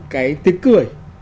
cái tiếng cười